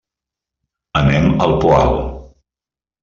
Anem al Poal.